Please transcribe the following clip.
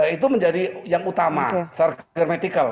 itu menjadi yang utama secara geometrical